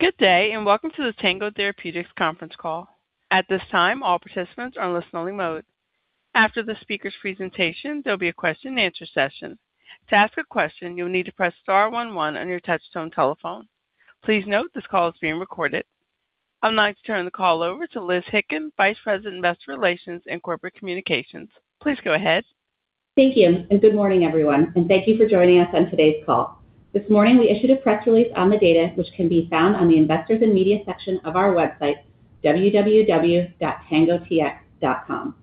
Good day, and welcome to the Tango Therapeutics conference call. At this time, all participants are in listen only mode. After the speaker's presentation, there'll be a question and answer session. To ask a question, you'll need to press star one one on your touchtone telephone. Please note this call is being recorded. I'd like to turn the call over to Elizabeth Hickin, Vice President, Investor Relations and Corporate Communications. Please go ahead. Thank you, and good morning, everyone, and thank you for joining us on today's call. This morning we issued a press release on the data which can be found on the Investors and Media section of our website, www.tangotx.com.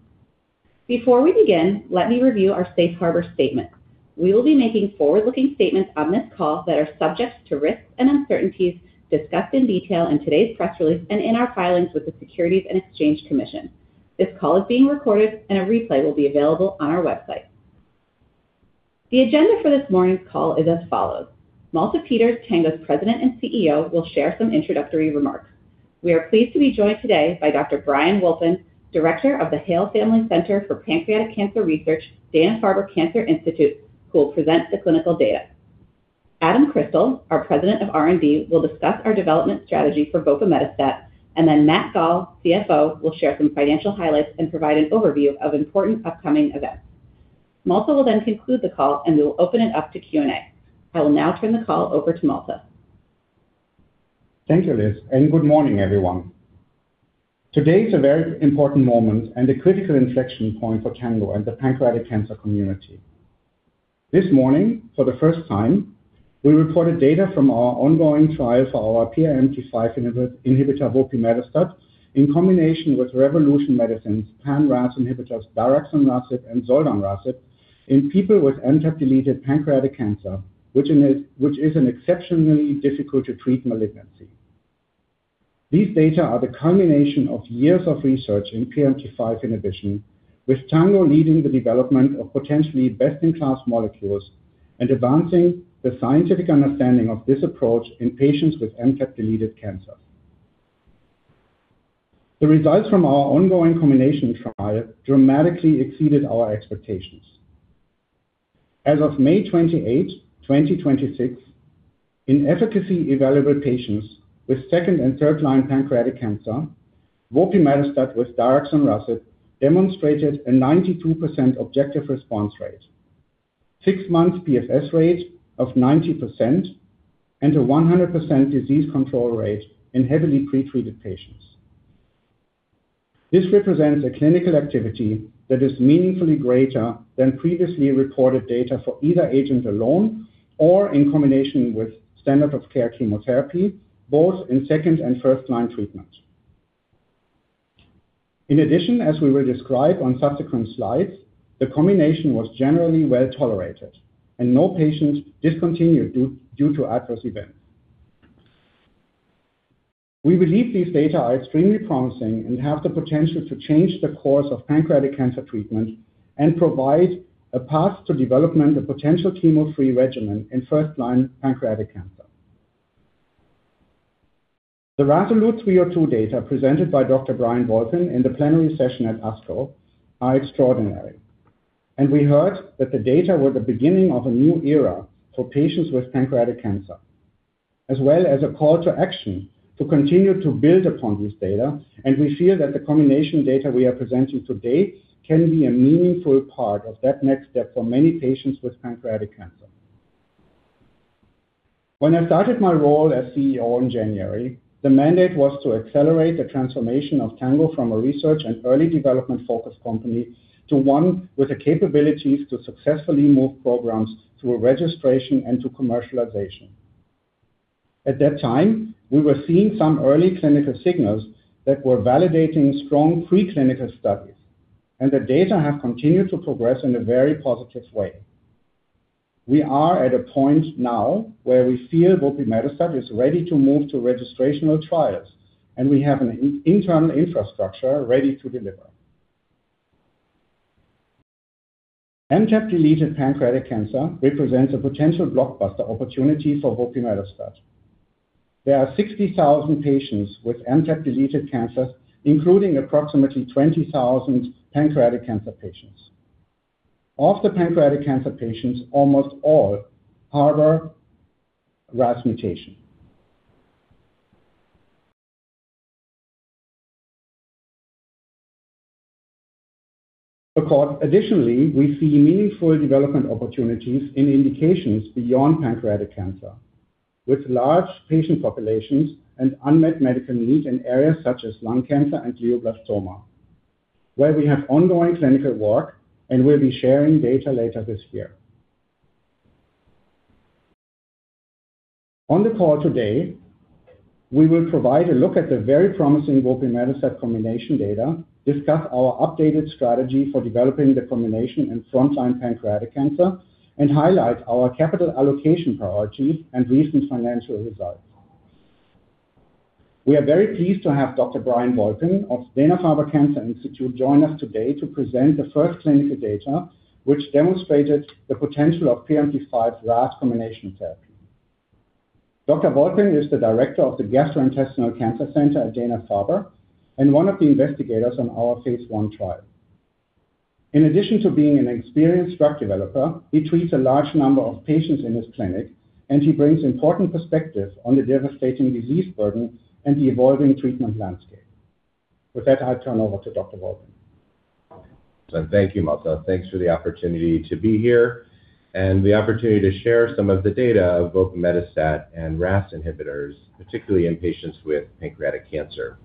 Before we begin, let me review our safe harbor statement. We will be making forward-looking statements on this call that are subject to risks and uncertainties discussed in detail in today's press release and in our filings with the Securities and Exchange Commission. This call is being recorded, and a replay will be available on our website. The agenda for this morning's call is as follows. Malte Peters, Tango's President and CEO, will share some introductory remarks. We are pleased to be joined today by Dr. Brian Wolpin, Director of the Hale Family Center for Pancreatic Cancer Research, Dana-Farber Cancer Institute, who will present the clinical data. Adam Crystal, our President of R&D, will discuss our development strategy for vopimetostat. Matthew Gall, CFO, will share some financial highlights and provide an overview of important upcoming events. Malte will then conclude the call and we will open it up to Q&A. I will now turn the call over to Malte. Thank you, Liz, and good morning, everyone. Today is a very important moment and a critical inflection point for Tango and the pancreatic cancer community. This morning, for the first time, we reported data from our ongoing trial for our PRMT5 inhibitor, vopimetostat, in combination with Revolution Medicines' pan-RAS inhibitors, daraxonrasib and zoldonrasib, in people with MTAP-deleted pancreatic cancer, which is an exceptionally difficult to treat malignancy. These data are the culmination of years of research in PRMT5 inhibition, with Tango leading the development of potentially best-in-class molecules and advancing the scientific understanding of this approach in patients with MTAP-deleted cancer. The results from our ongoing combination trial dramatically exceeded our expectations. As of May 28, 2026, in efficacy-evaluable patients with second and third-line pancreatic cancer, vopimetostat with daraxonrasib demonstrated a 92% objective response rate, six-month PFS rate of 90%, and a 100% disease control rate in heavily pretreated patients. This represents a clinical activity that is meaningfully greater than previously reported data for either agent alone or in combination with standard of care chemotherapy, both in second and first-line treatment. In addition, as we will describe on subsequent slides, the combination was generally well-tolerated, and no patients discontinued due to adverse events. We believe these data are extremely promising and have the potential to change the course of pancreatic cancer treatment and provide a path to development of potential chemo-free regimen in first-line pancreatic cancer. The RASolute 302 data presented by Dr. Brian Wolpin in the plenary session at ASCO are extraordinary, and we heard that the data were the beginning of a new era for patients with pancreatic cancer, as well as a call to action to continue to build upon this data. We feel that the combination data we are presenting today can be a meaningful part of that next step for many patients with pancreatic cancer. When I started my role as CEO in January, the mandate was to accelerate the transformation of Tango from a research and early development-focused company to one with the capabilities to successfully move programs through a registration and to commercialization. At that time, we were seeing some early clinical signals that were validating strong preclinical studies, and the data have continued to progress in a very positive way. We are at a point now where we feel vopimetostat is ready to move to registrational trials, and we have an internal infrastructure ready to deliver. MTAP-deleted pancreatic cancer represents a potential blockbuster opportunity for vopimetostat. There are 60,000 patients with MTAP-deleted cancer, including approximately 20,000 pancreatic cancer patients. Of the pancreatic cancer patients, almost all harbor RAS mutation. Additionally, we see meaningful development opportunities in indications beyond pancreatic cancer, with large patient populations and unmet medical need in areas such as lung cancer and glioblastoma, where we have ongoing clinical work and will be sharing data later this year. On the call today, we will provide a look at the very promising vopimetostat combination data, discuss our updated strategy for developing the combination in frontline pancreatic cancer, and highlight our capital allocation priorities and recent financial results. We are very pleased to have Dr. Brian Wolpin of Dana-Farber Cancer Institute join us today to present the first clinical data which demonstrated the potential of PRMT5 RAS combination therapy. Dr. Wolpin is the director of the Gastrointestinal Cancer Center at Dana-Farber and one of the investigators on our phase I trial. In addition to being an experienced drug developer, he treats a large number of patients in his clinic, and he brings important perspective on the devastating disease burden and the evolving treatment landscape. With that, I'll turn over to Dr. Wolpin. Thank you, Malte. Thanks for the opportunity to be here and the opportunity to share some of the data of both metostat and RAS inhibitors, particularly in patients with pancreatic cancer.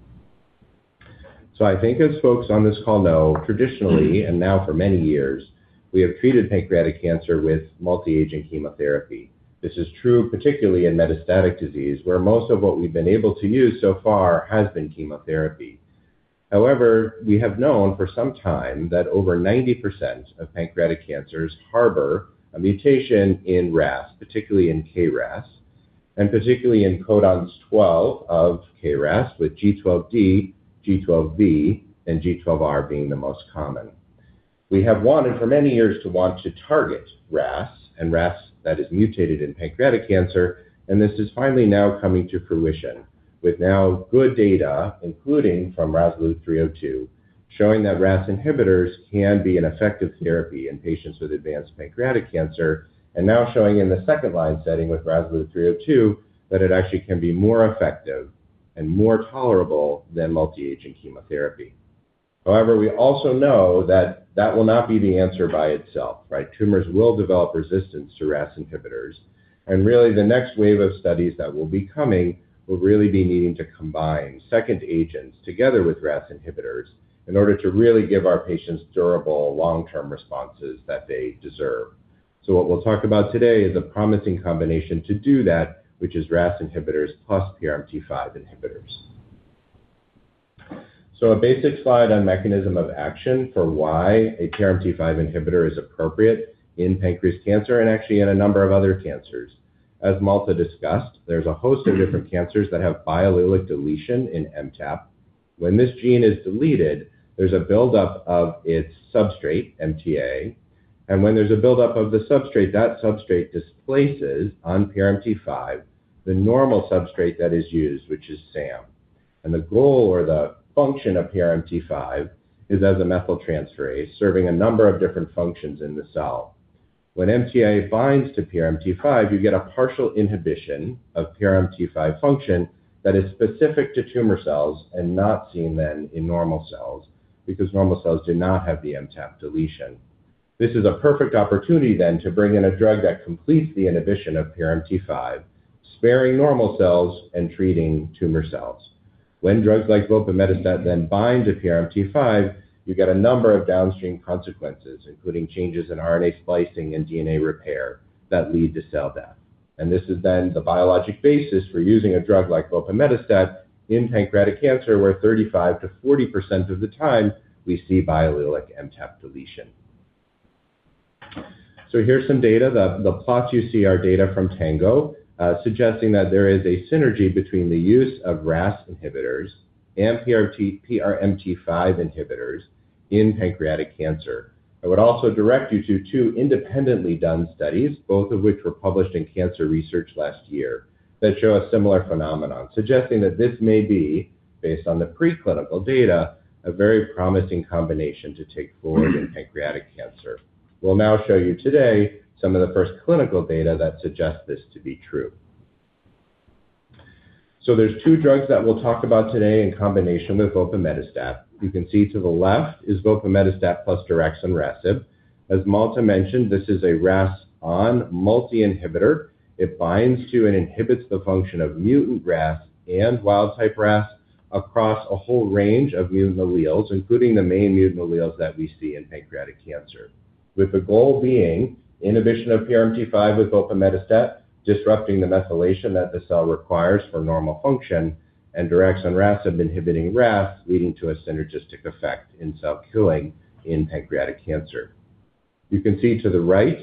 I think as folks on this call know, traditionally, and now for many years, we have treated pancreatic cancer with multi-agent chemotherapy. This is true particularly in metastatic disease, where most of what we've been able to use so far has been chemotherapy. However, we have known for some time that over 90% of pancreatic cancers harbor a mutation in RAS, particularly in KRAS, and particularly in codons 12 of KRAS with G12D, G12V, and G12R being the most common. We have wanted for many years to want to target RAS, and RAS that is mutated in pancreatic cancer, and this is finally now coming to fruition with now good data, including from RASolute 302, showing that RAS inhibitors can be an effective therapy in patients with advanced pancreatic cancer and now showing in the second-line setting with RASolute 302 that it actually can be more effective and more tolerable than multi-agent chemotherapy. We also know that that will not be the answer by itself, right? Tumors will develop resistance to RAS inhibitors, and really the next wave of studies that will be coming will really be needing to combine second agents together with RAS inhibitors in order to really give our patients durable long-term responses that they deserve. What we'll talk about today is a promising combination to do that, which is RAS inhibitors plus PRMT5 inhibitors. A basic slide on mechanism of action for why a PRMT5 inhibitor is appropriate in pancreatic cancer and actually in a number of other cancers. As Malte discussed, there's a host of different cancers that have biallelic deletion in MTAP. When this gene is deleted, there's a buildup of its substrate MTA, and when there's a buildup of the substrate, that substrate displaces on PRMT5 the normal substrate that is used, which is SAM. The goal or the function of PRMT5 is as a methyltransferase serving a number of different functions in the cell. When MTA binds to PRMT5, you get a partial inhibition of PRMT5 function that is specific to tumor cells and not seen then in normal cells because normal cells do not have the MTAP deletion. This is a perfect opportunity then to bring in a drug that completes the inhibition of PRMT5, sparing normal cells and treating tumor cells. When drugs like vopimetostat then bind to PRMT5, you get a number of downstream consequences, including changes in RNA splicing and DNA repair that lead to cell death. This is then the biologic basis for using a drug like vopimetostat in pancreatic cancer, where 35%-40% of the time we see biallelic MTAP deletion. Here's some data. The plots you see are data from Tango, suggesting that there is a synergy between the use of RAS inhibitors and PRMT5 inhibitors in pancreatic cancer. I would also direct you to two independently done studies, both of which were published in "Cancer Research" last year, that show a similar phenomenon, suggesting that this may be, based on the preclinical data, a very promising combination to take forward in pancreatic cancer. We'll now show you today some of the first clinical data that suggests this to be true. There's two drugs that we'll talk about today in combination with vopimetostat. You can see to the left is vopimetostat plus daraxonrasib. As Malte mentioned, this is a RAS(ON) multi inhibitor. It binds to and inhibits the function of mutant RAS and wild type RAS across a whole range of mutant alleles, including the main mutant alleles that we see in pancreatic cancer, with the goal being inhibition of PRMT5 with vopimetostat, disrupting the methylation that the cell requires for normal function, and daraxonrasib inhibiting RAS, leading to a synergistic effect in cell killing in pancreatic cancer. You can see to the right,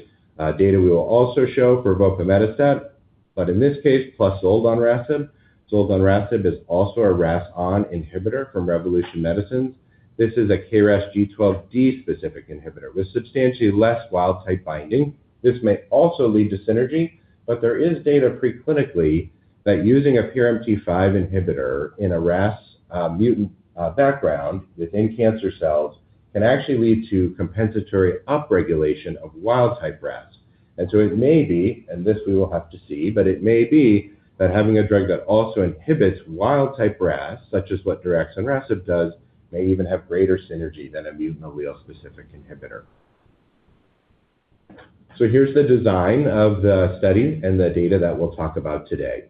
data we will also show for vopimetostat, but in this case, plus zoldonrasib. Zoldonrasib is also a RAS(ON) inhibitor from Revolution Medicines. This is a KRAS G12D specific inhibitor with substantially less wild type binding. This may also lead to synergy, but there is data preclinically that using a PRMT5 inhibitor in a RAS mutant background within cancer cells can actually lead to compensatory upregulation of wild type RAS. It may be, and this we will have to see, but it may be that having a drug that also inhibits wild type RAS, such as what daraxonrasib does, may even have greater synergy than a mutant allele specific inhibitor. Here's the design of the study and the data that we'll talk about today.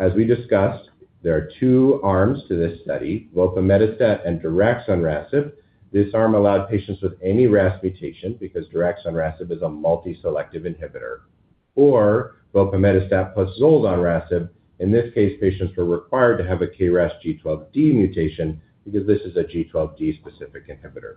As we discussed, there are two arms to this study, vopimetostat and daraxonrasib. This arm allowed patients with any RAS mutation because daraxonrasib is a multi-selective inhibitor, or vopimetostat plus zoldonrasib. In this case, patients were required to have a KRAS G12D mutation because this is a G12D specific inhibitor.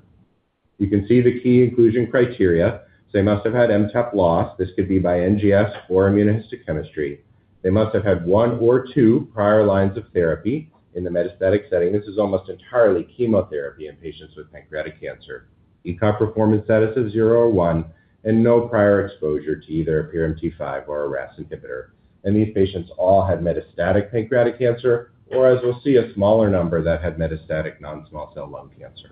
You can see the key inclusion criteria. They must have had MTAP loss. This could be by NGS or immunohistochemistry. They must have had one or two prior lines of therapy in the metastatic setting. This is almost entirely chemotherapy in patients with pancreatic cancer. ECOG performance status of zero or one, and no prior exposure to either a PRMT5 or a RAS inhibitor. These patients all had metastatic pancreatic cancer, or as we'll see, a smaller number that had metastatic non-small cell lung cancer.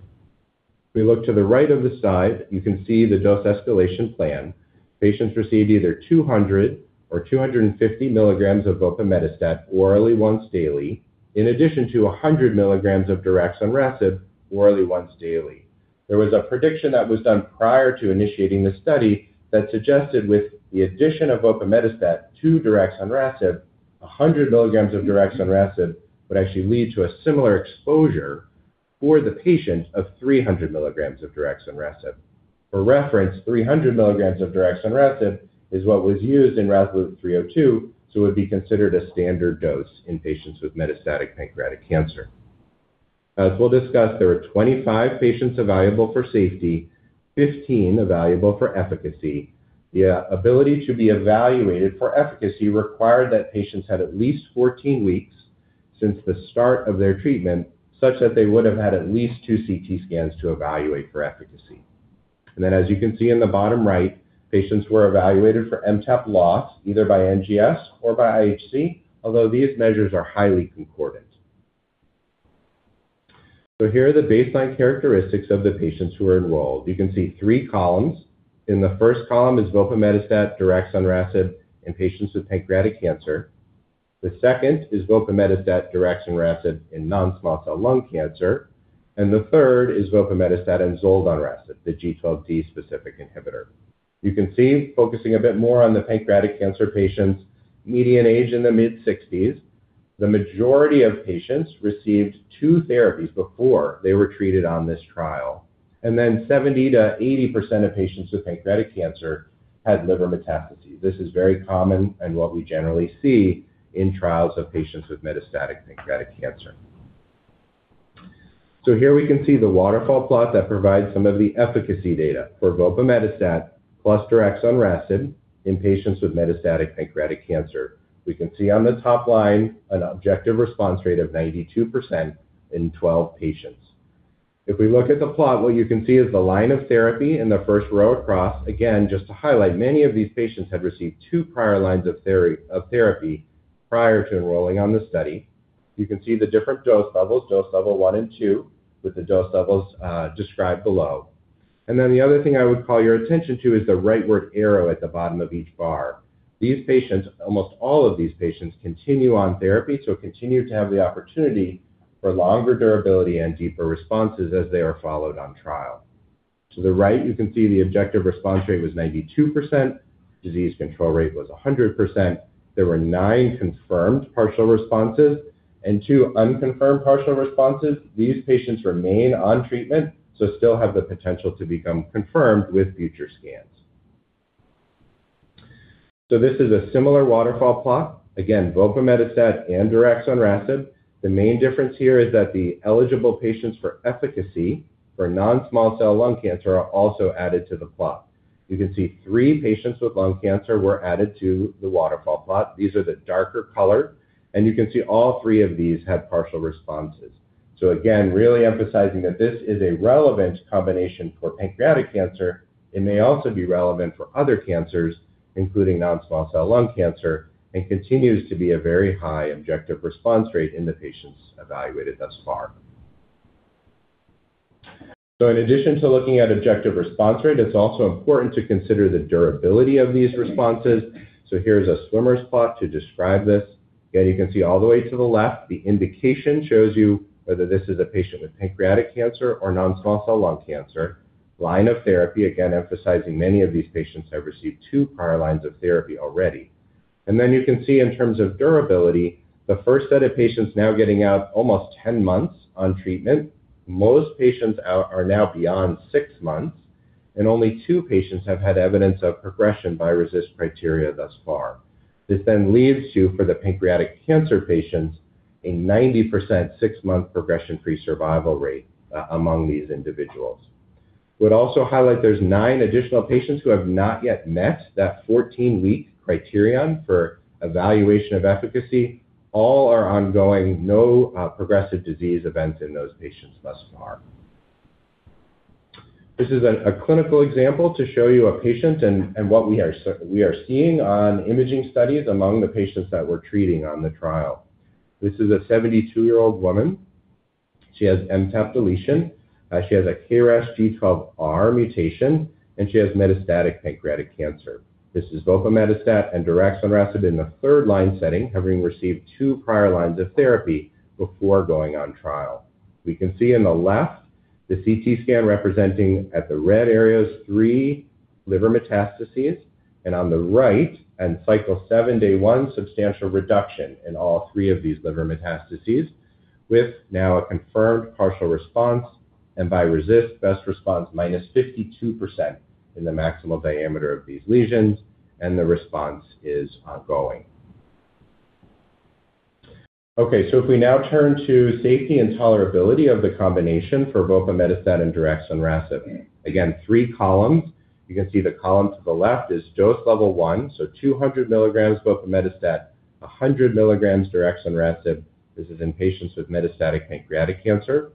If we look to the right of the slide, you can see the dose escalation plan. Patients received either 200 mg or 250 mg of vopimetostat orally once daily, in addition to 100 mg of daraxonrasib orally once daily. There was a prediction that was done prior to initiating this study that suggested with the addition of vopimetostat to daraxonrasib, 100 mg of daraxonrasib would actually lead to a similar exposure for the patient of 300 mg of daraxonrasib. For reference, 300 mg of daraxonrasib is what was used in RASolute 302, so it would be considered a standard dose in patients with metastatic pancreatic cancer. As we'll discuss, there are 25 patients evaluable for safety, 15 evaluable for efficacy. The ability to be evaluated for efficacy required that patients had at least 14 weeks since the start of their treatment, such that they would have had at least two CT scans to evaluate for efficacy. As you can see in the bottom right, patients were evaluated for MTAP loss, either by NGS or by IHC, although these measures are highly concordant. Here are the baseline characteristics of the patients who are enrolled. You can see three columns. In the first column is vopimetostat, daraxonrasib, and patients with pancreatic cancer. The second is vopimetostat, daraxonrasib in non-small cell lung cancer. The third is vopimetostat and zoldonrasib, the G12D specific inhibitor. Focusing a bit more on the pancreatic cancer patients, median age in the mid-60s. The majority of patients received two therapies before they were treated on this trial. 70%-80% of patients with pancreatic cancer had liver metastases. This is very common and what we generally see in trials of patients with metastatic pancreatic cancer. Here we can see the waterfall plot that provides some of the efficacy data for vopimetostat plus daraxonrasib in patients with metastatic pancreatic cancer. We can see on the top line an objective response rate of 92% in 12 patients. If we look at the plot, what you can see is the line of therapy in the first row across. Just to highlight, many of these patients had received two prior lines of therapy prior to enrolling on this study. You can see the different dose levels, dose level 1 and 2, with the dose levels described below. The other thing I would call your attention to is the rightward arrow at the bottom of each bar. These patients, almost all of these patients, continue on therapy, so continue to have the opportunity for longer durability and deeper responses as they are followed on trial. To the right, you can see the objective response rate was 92%. Disease control rate was 100%. There were nine confirmed partial responses and two unconfirmed partial responses. These patients remain on treatment, so still have the potential to become confirmed with future scans. This is a similar waterfall plot. Again, vopimetostat and daraxonrasib. The main difference here is that the eligible patients for efficacy for non-small cell lung cancer are also added to the plot. You can see three patients with lung cancer were added to the waterfall plot. These are the darker color. You can see all three of these had partial responses. Again, really emphasizing that this is a relevant combination for pancreatic cancer. It may also be relevant for other cancers, including non-small cell lung cancer, and continues to be a very high objective response rate in the patients evaluated thus far. In addition to looking at objective response rate, it's also important to consider the durability of these responses. Here's a swimmer's plot to describe this. You can see all the way to the left, the indication shows you whether this is a patient with pancreatic cancer or non-small cell lung cancer. Line of therapy, again, emphasizing many of these patients have received two prior lines of therapy already. You can see in terms of durability, the first set of patients now getting out almost 10 months on treatment. Most patients are now beyond six months, and only two patients have had evidence of progression by RECIST criteria thus far. This leaves you, for the pancreatic cancer patients, a 90% six-month progression-free survival rate among these individuals. Would also highlight there are nine additional patients who have not yet met that 14-week criterion for evaluation of efficacy. All are ongoing. No progressive disease events in those patients thus far. This is a clinical example to show you a patient and what we are seeing on imaging studies among the patients that we're treating on the trial. This is a 72-year-old woman. She has MTAP deletion. She has a KRAS G12R mutation, and she has metastatic pancreatic cancer. This is vopimetostat and daraxonrasib in the third line setting, having received two prior lines of therapy before going on trial. We can see in the left, the CT scan representing at the red areas three liver metastases, and on the right and cycle 7, day one, substantial reduction in all three of these liver metastases, with now a confirmed partial response and by RECIST, best response, -52% in the maximal diameter of these lesions, and the response is ongoing. If we now turn to safety and tolerability of the combination for vopimetostat and daraxonrasib. Again, three columns. You can see the column to the left is dose level 1, so 200 mg vopimetostat, 100 mg daraxonrasib. This is in patients with metastatic pancreatic cancer.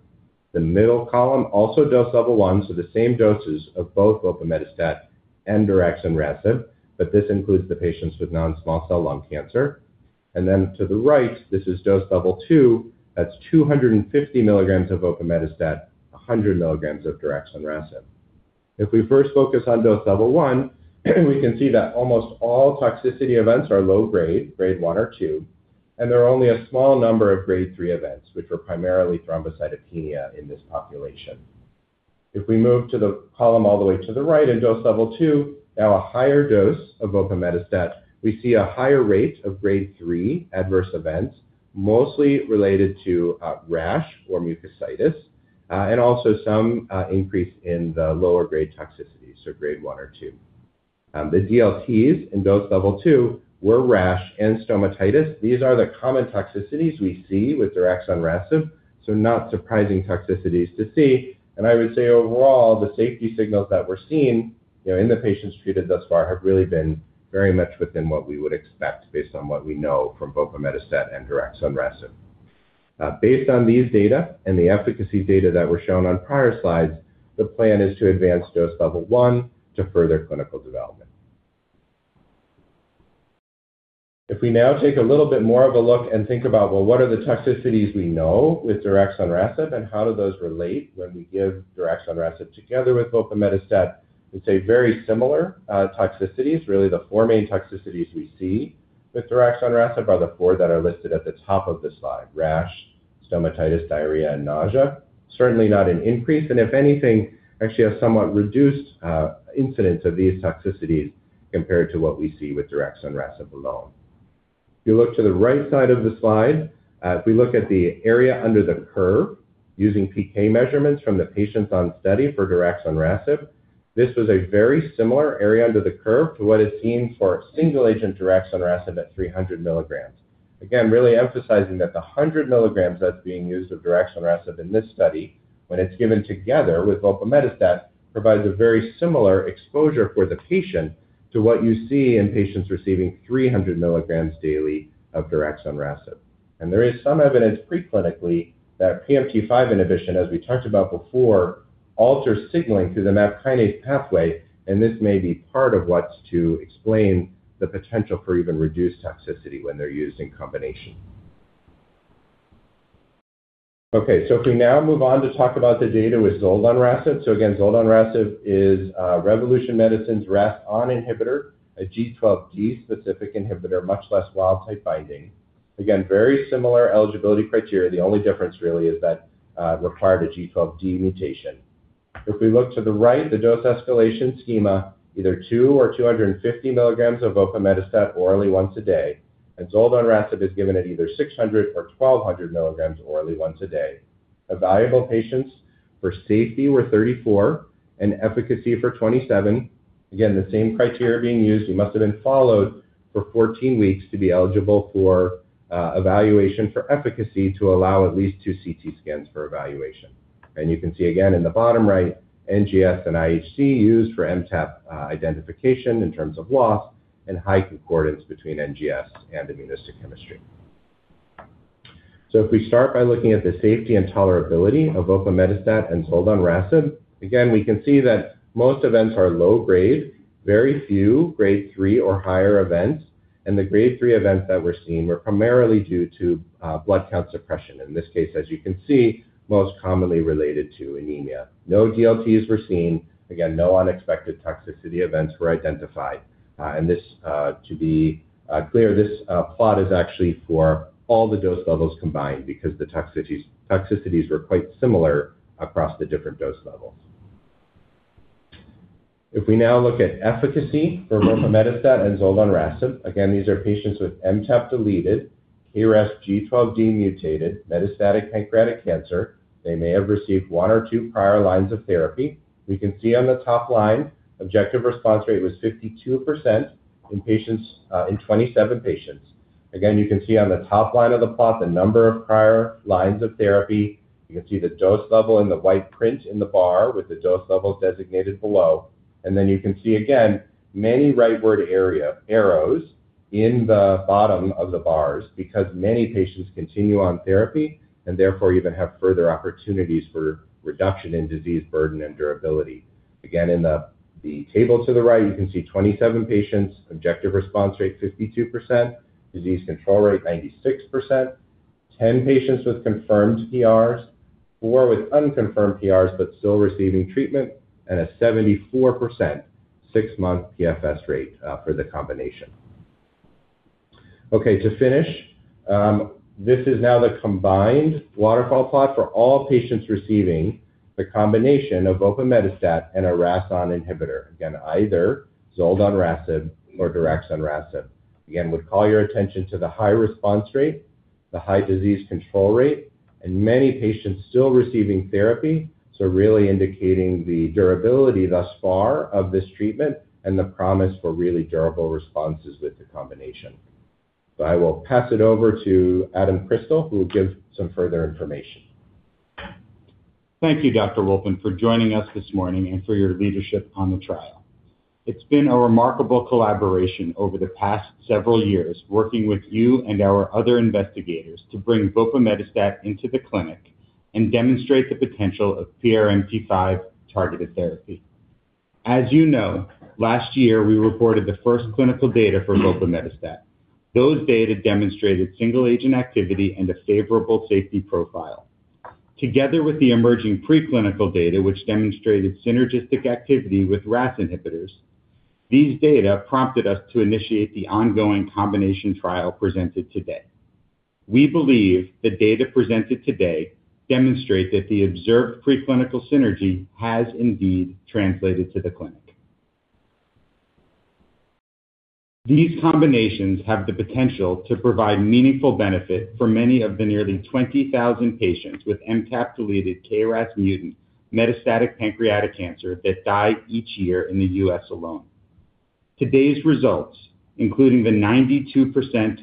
The middle column, also dose level 1, so the same doses of both vopimetostat and daraxonrasib, but this includes the patients with non-small cell lung cancer. To the right, this is dose level 2. That's 250 mg of vopimetostat, 100 mg of daraxonrasib. If we first focus on dose level 1, we can see that almost all toxicity events are low grade 1 or 2, and there are only a small number of grade 3 events, which were primarily thrombocytopenia in this population. If we move to the column all the way to the right in dose level 2, now a higher dose of vopimetostat, we see a higher rate of grade 3 adverse events, mostly related to rash or mucositis, and also some increase in the lower grade toxicities, so grade 1 or 2. The DLTs in dose level 2 were rash and stomatitis. These are the common toxicities we see with daraxonrasib, not surprising toxicities to see. I would say overall, the safety signals that we're seeing in the patients treated thus far have really been very much within what we would expect based on what we know from vopimetostat and daraxonrasib. Based on these data and the efficacy data that were shown on prior slides, the plan is to advance dose level 1 to further clinical development. If we now take a little bit more of a look and think about, what are the toxicities we know with daraxonrasib, and how do those relate when we give daraxonrasib together with vopimetostat? We'd say very similar toxicities, really the four main toxicities we see with daraxonrasib are the four that are listed at the top of the slide, rash, stomatitis, diarrhea, and nausea. Certainly not an increase. If anything, actually a somewhat reduced incidence of these toxicities compared to what we see with daraxonrasib alone. If you look to the right side of the slide, if we look at the area under the curve using PK measurements from the patients on study for daraxonrasib, this was a very similar area under the curve to what is seen for single agent daraxonrasib at 300 mg. Really emphasizing that the 100 mg that is being used of daraxonrasib in this study, when it is given together with vopimetostat, provides a very similar exposure for the patient to what you see in patients receiving 300 mg daily of daraxonrasib. There is some evidence pre-clinically that PRMT5 inhibition, as we talked about before, alters signaling through the MAP kinase pathway. This may be part of what is to explain the potential for even reduced toxicity when they are used in combination. If we now move on to talk about the data with zoldonrasib. Again, zoldonrasib is Revolution Medicines' RAS(ON) inhibitor, a G12D-selective inhibitor, much less wild type binding. Very similar eligibility criteria. The only difference really is that require the G12D mutation. If we look to the right, the dose escalation schema, either 2 or 250 mg of vopimetostat orally once a day. Zoldonrasib is given at either 600 or 1,200 mg orally once a day. Available patients for safety were 34, and efficacy for 27. The same criteria being used. You must have been followed for 14 weeks to be eligible for evaluation for efficacy to allow at least two CT scans for evaluation. You can see again in the bottom right, NGS and IHC used for MTAP identification in terms of loss and high concordance between NGS and immunohistochemistry. If we start by looking at the safety and tolerability of vopimetostat and zoldonrasib, again, we can see that most events are low grade, very few grade 3 or higher events. The grade 3 events that we are seeing were primarily due to blood count suppression. In this case, as you can see, most commonly related to anemia. No DLTs were seen. Again, no unexpected toxicity events were identified. To be clear, this plot is actually for all the dose levels combined because the toxicities were quite similar across the different dose levels. If we now look at efficacy for vopimetostat and zoldonrasib. Again, these are patients with MTAP deleted, KRAS G12D mutated, metastatic pancreatic cancer. They may have received one or two prior lines of therapy. We can see on the top line, objective response rate was 52% in 27 patients. Again, you can see on the top line of the plot the number of prior lines of therapy. You can see the dose level in the white print in the bar with the dose level designated below. Then you can see again, many rightward arrows in the bottom of the bars because many patients continue on therapy and therefore even have further opportunities for reduction in disease burden and durability. In the table to the right, you can see 27 patients, objective response rate 52%, disease control rate 96%, 10 patients with confirmed PRs, four with unconfirmed PRs but still receiving treatment, and a 74% six-month PFS rate for the combination. Okay, to finish, this is now the combined waterfall plot for all patients receiving the combination of vopimetostat and a RAS(ON) inhibitor. Again, either zoldonrasib or daraxonrasib. Again, would call your attention to the high response rate, the high disease control rate, and many patients still receiving therapy. Really indicating the durability thus far of this treatment and the promise for really durable responses with the combination. I will pass it over to Adam Crystal, who will give some further information. Thank you, Dr. Wolpin, for joining us this morning and for your leadership on the trial. It's been a remarkable collaboration over the past several years, working with you and our other investigators to bring vopimetostat into the clinic and demonstrate the potential of PRMT5-targeted therapy. As you know, last year we reported the first clinical data for vopimetostat. Those data demonstrated single agent activity and a favorable safety profile. Together with the emerging preclinical data, which demonstrated synergistic activity with RAS inhibitors, these data prompted us to initiate the ongoing combination trial presented today. We believe the data presented today demonstrate that the observed preclinical synergy has indeed translated to the clinic. These combinations have the potential to provide meaningful benefit for many of the nearly 20,000 patients with MTAP-deleted KRAS mutant metastatic pancreatic cancer that die each year in the U.S. alone. Today's results, including the 92%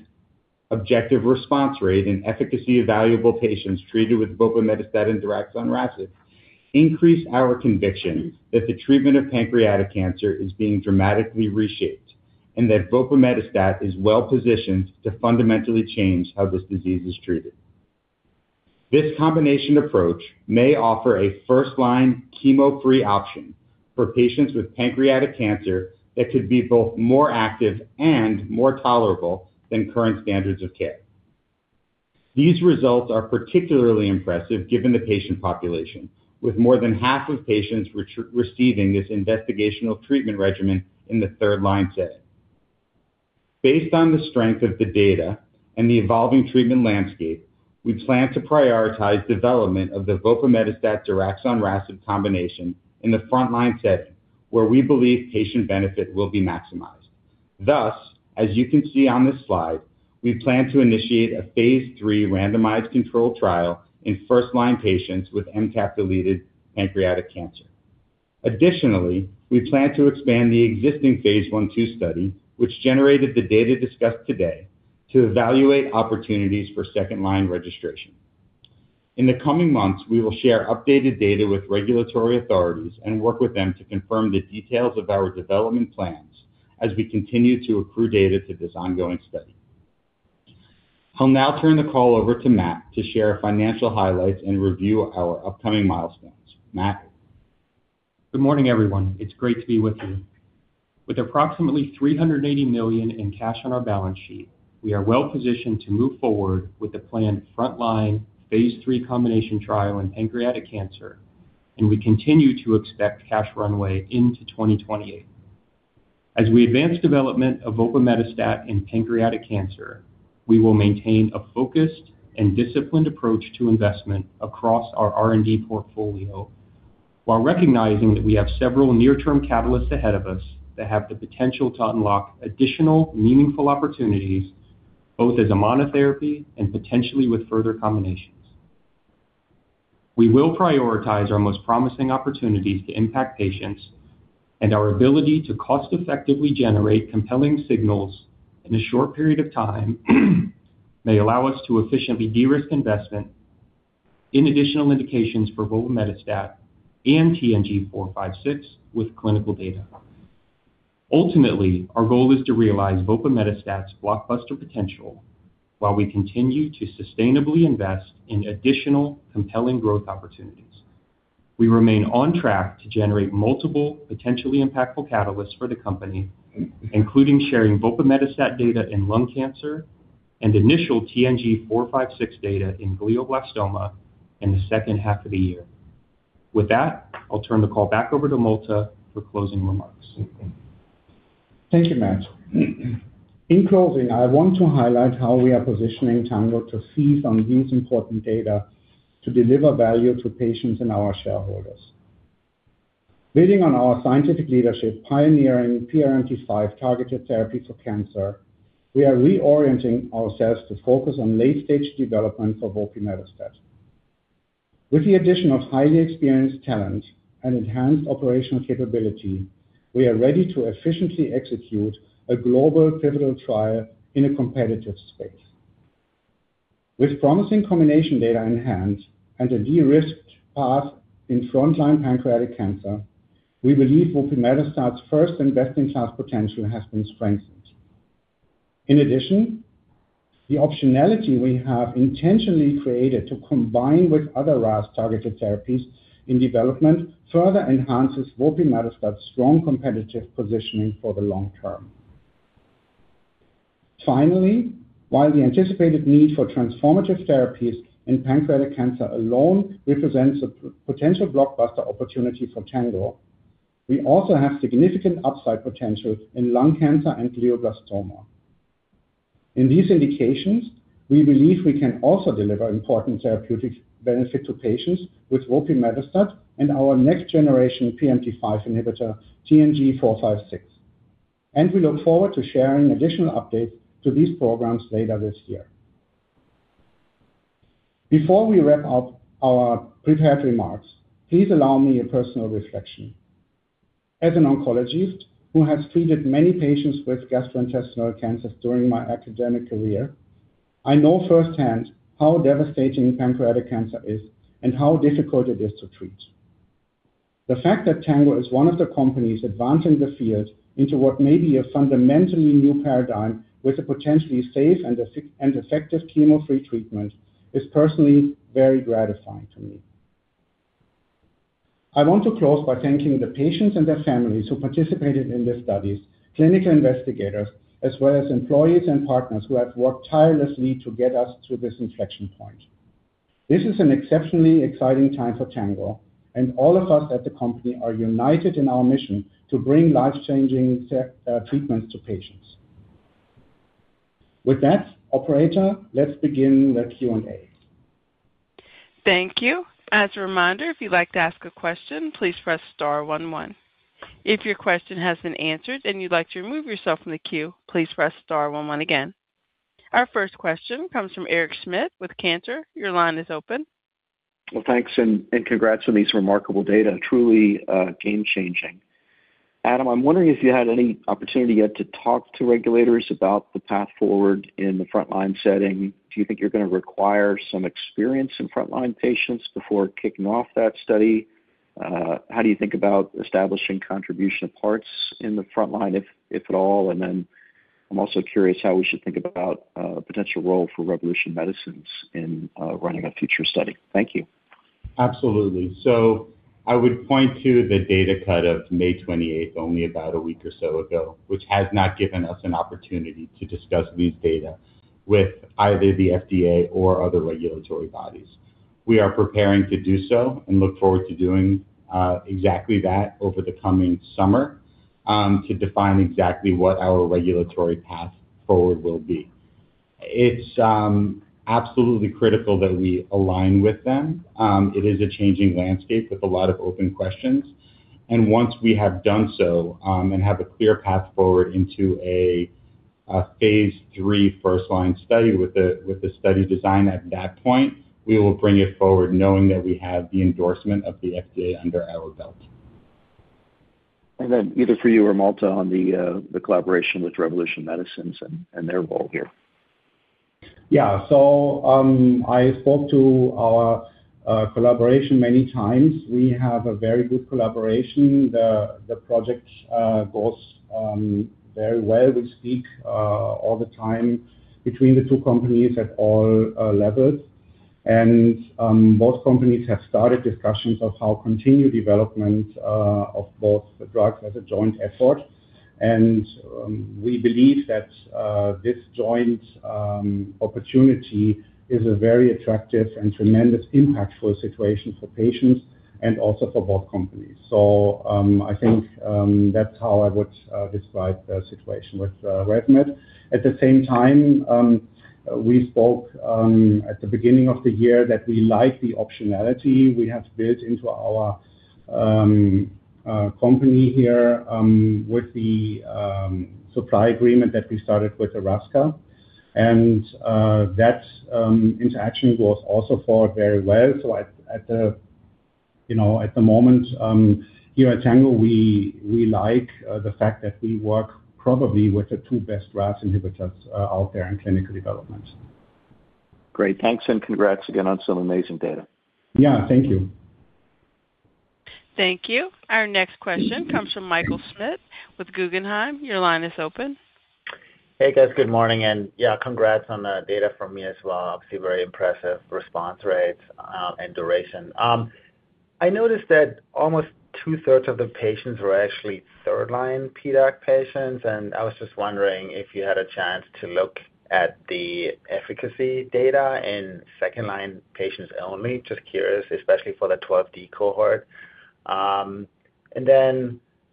objective response rate and efficacy evaluable patients treated with vopimetostat and daraxonrasib, increase our conviction that the treatment of pancreatic cancer is being dramatically reshaped, and that vopimetostat is well positioned to fundamentally change how this disease is treated. This combination approach may offer a first-line chemo-free option for patients with pancreatic cancer that could be both more active and more tolerable than current standards of care. These results are particularly impressive given the patient population. With more than half of patients receiving this investigational treatment regimen in the third-line setting. Based on the strength of the data and the evolving treatment landscape, we plan to prioritize development of the vopimetostat daraxonrasib combination in the front-line setting, where we believe patient benefit will be maximized. As you can see on this slide, we plan to initiate a phase III randomized controlled trial in first-line patients with MTAP-deleted pancreatic cancer. Additionally, we plan to expand the existing phase I/II study, which generated the data discussed today, to evaluate opportunities for second-line registration. In the coming months, we will share updated data with regulatory authorities and work with them to confirm the details of our development plans as we continue to accrue data to this ongoing study. I'll now turn the call over to Matthew Gall to share financial highlights and review our upcoming milestones. Matthew Gall. Good morning, everyone. It's great to be with you. With approximately $380 million in cash on our balance sheet, we are well positioned to move forward with the planned frontline phase III combination trial in pancreatic cancer, and we continue to expect cash runway into 2028. As we advance development of vopimetostat in pancreatic cancer, we will maintain a focused and disciplined approach to investment across our R&D portfolio, while recognizing that we have several near-term catalysts ahead of us that have the potential to unlock additional meaningful opportunities, both as a monotherapy and potentially with further combinations. We will prioritize our most promising opportunities to impact patients, and our ability to cost effectively generate compelling signals in a short period of time may allow us to efficiently de-risk investment in additional indications for vopimetostat and TNG456 with clinical data. Ultimately, our goal is to realize vopimetostat's blockbuster potential while we continue to sustainably invest in additional compelling growth opportunities. We remain on track to generate multiple potentially impactful catalysts for the company, including sharing vopimetostat data in lung cancer and initial TNG456 data in glioblastoma in the second half of the year. I'll turn the call back over to Malte for closing remarks. Thank you, Matthew Gall. In closing, I want to highlight how we are positioning Tango to seize on these important data to deliver value to patients and our shareholders. Building on our scientific leadership pioneering PRMT5 targeted therapy for cancer, we are reorienting ourselves to focus on late stage development for vopimetostat. With the addition of highly experienced talent and enhanced operational capability, we are ready to efficiently execute a global pivotal trial in a competitive space. With promising combination data in hand and a de-risked path in frontline pancreatic cancer, we believe vopimetostat's first-in-best-in-class potential has been strengthened. The optionality we have intentionally created to combine with other RAS targeted therapies in development further enhances vopimetostat's strong competitive positioning for the long term. While the anticipated need for transformative therapies in pancreatic cancer alone represents a potential blockbuster opportunity for Tango, we also have significant upside potential in lung cancer and glioblastoma. In these indications, we believe we can also deliver important therapeutic benefit to patients with vopimetostat and our next generation PRMT5 inhibitor, TNG456, and we look forward to sharing additional updates to these programs later this year. Before we wrap up our prepared remarks, please allow me a personal reflection. As an oncologist who has treated many patients with gastrointestinal cancers during my academic career, I know firsthand how devastating pancreatic cancer is and how difficult it is to treat. The fact that Tango is one of the companies advancing the field into what may be a fundamentally new paradigm with a potentially safe and effective chemo-free treatment is personally very gratifying to me. I want to close by thanking the patients and their families who participated in the studies, clinical investigators, as well as employees and partners who have worked tirelessly to get us to this inflection point. This is an exceptionally exciting time for Tango, and all of us at the company are united in our mission to bring life-changing treatments to patients. With that, operator, let's begin the Q&A. Thank you. As a reminder, if you'd like to ask a question, please press star 11. If your question has been answered and you'd like to remove yourself from the queue, please press star 11 again. Our first question comes from Eric Schmidt with Cantor. Your line is open. Thanks, and congrats on these remarkable data. Truly game-changing. Adam, I'm wondering if you had any opportunity yet to talk to regulators about the path forward in the frontline setting. Do you think you're going to require some experience in frontline patients before kicking off that study? How do you think about establishing contribution of parts in the frontline, if at all? I'm also curious how we should think about potential role for Revolution Medicines in running a future study. Thank you. Absolutely. I would point to the data cut of May 28th, only about a week or so ago, which has not given us an opportunity to discuss these data with either the FDA or other regulatory bodies. We are preparing to do so and look forward to doing exactly that over the coming summer to define exactly what our regulatory path forward will be. It's absolutely critical that we align with them. It is a changing landscape with a lot of open questions. Once we have done so and have a clear path forward into a phase III first line study with the study design at that point, we will bring it forward knowing that we have the endorsement of the FDA under our belt. For you or Malte Peters on the collaboration with Revolution Medicines and their role here. I spoke to our collaboration many times. We have a very good collaboration. The project goes very well. We speak all the time between the two companies at all levels. Both companies have started discussions of how to continue development of both the drugs as a joint effort. We believe that this joint opportunity is a very attractive and tremendous impactful situation for patients and also for both companies. I think that's how I would describe the situation with RevMed. At the same time, we spoke at the beginning of the year that we like the optionality we have built into our company here with the supply agreement that we started with Erasca. That interaction was also followed very well. At the moment, here at Tango, we like the fact that we work probably with the two best RAS inhibitors out there in clinical development. Great. Thanks and congrats again on some amazing data. Yeah. Thank you. Thank you. Our next question comes from Michael Schmidt with Guggenheim. Your line is open. Hey, guys. Good morning and yeah, congrats on the data from me as well. Obviously very impressive response rates and duration. I noticed that almost 2/3 of the patients were actually third-line PDAC patients, and I was just wondering if you had a chance to look at the efficacy data in second-line patients only. Just curious, especially for the 12D cohort.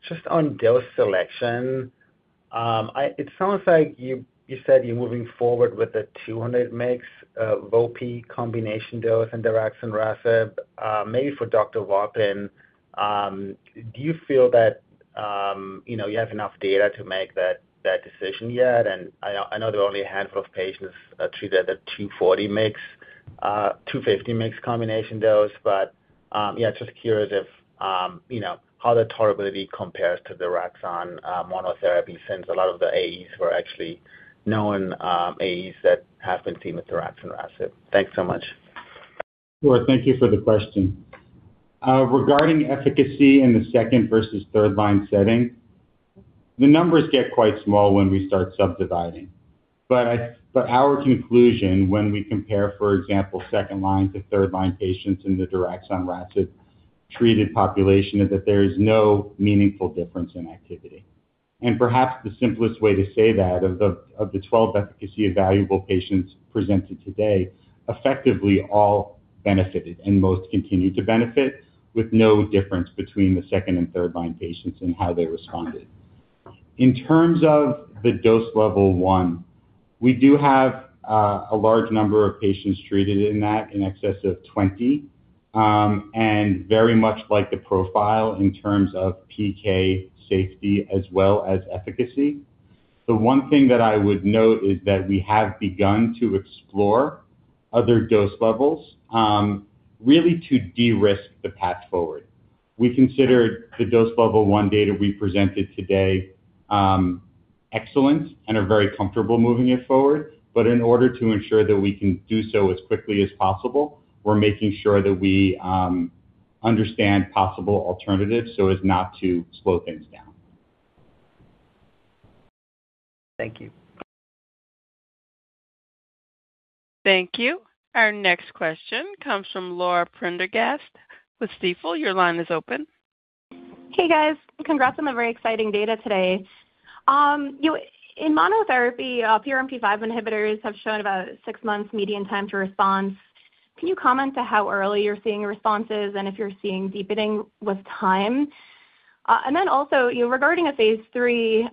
Just on dose selection, it sounds like you said you're moving forward with the 200 mg Vopi combination dose and daraxonrasib. Maybe for Dr. Wolpin, do you feel that you have enough data to make that decision yet? And I know there are only a handful of patients treated at 240 mg, 250 mg combination dose. Yeah, just curious how the tolerability compares to the daraxonrasib monotherapy since a lot of the AEs were actually known AEs that have been seen with daraxonrasib. Thanks so much. Sure. Thank you for the question. Regarding efficacy in the second versus third-line setting, the numbers get quite small when we start subdividing. Our conclusion when we compare, for example, second-line to third-line patients in the daraxonrasib treated population, is that there is no meaningful difference in activity. Perhaps the simplest way to say that, of the 12 efficacy evaluable patients presented today, effectively all benefited and most continue to benefit with no difference between the second and third-line patients in how they responded. In terms of the dose level 1, we do have a large number of patients treated in that, in excess of 20, and very much like the profile in terms of PK safety as well as efficacy. The one thing that I would note is that we have begun to explore other dose levels, really to de-risk the path forward. We consider the dose level 1 data we presented today excellent and are very comfortable moving it forward. In order to ensure that we can do so as quickly as possible, we're making sure that we understand possible alternatives so as not to slow things down. Thank you. Thank you. Our next question comes from Laura Prendergast with Stifel. Your line is open. Hey, guys. Congrats on the very exciting data today. In monotherapy, PRMT5 inhibitors have shown about six months median time to respond. Can you comment to how early you're seeing responses and if you're seeing deepening with time? Also, regarding a phase III,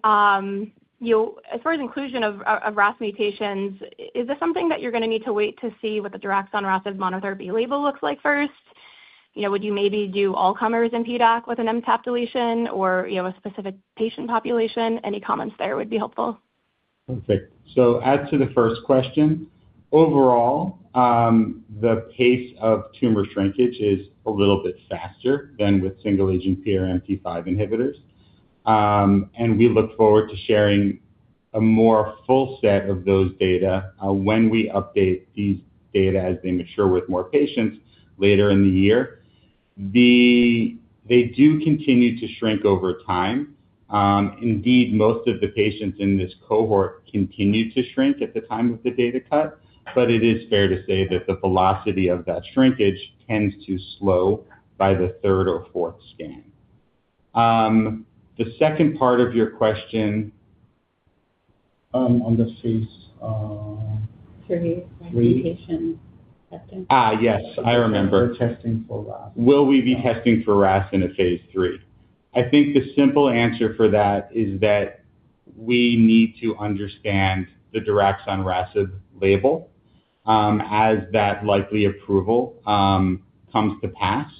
as far as inclusion of RAS mutations, is this something that you're going to need to wait to see what the daraxonrasib monotherapy label looks like first? Would you maybe do all comers in PDAC with an MTAP deletion or a specific patient population? Any comments there would be helpful. Perfect. As to the first question, overall, the pace of tumor shrinkage is a little bit faster than with single-agent PRMT5 inhibitors. We look forward to sharing a more full set of those data when we update these data as they mature with more patients later in the year. They do continue to shrink over time. Indeed, most of the patients in this cohort continued to shrink at the time of the data cut. It is fair to say that the velocity of that shrinkage tends to slow by the third or fourth scan. The second part of your question on the phase- III III Mutations testing. Yes, I remember. Testing for RAS. Will we be testing for RAS in a phase III? I think the simple answer for that is that we need to understand the daraxonrasib label as that likely approval comes to pass,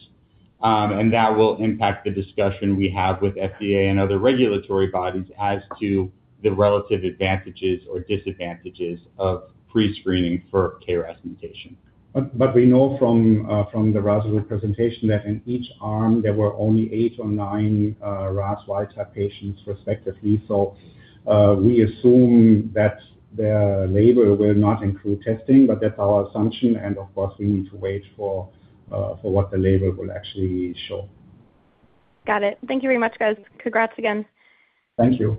and that will impact the discussion we have with FDA and other regulatory bodies as to the relative advantages or disadvantages of pre-screening for KRAS mutation. We know from the RASolute presentation that in each arm, there were only eight or nine RAS wild-type patients respectively. We assume that the label will not include testing, but that's our assumption. Of course, we need to wait for what the label will actually show. Got it. Thank you very much, guys. Congrats again. Thank you.